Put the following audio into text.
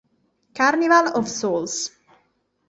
Carnival of Souls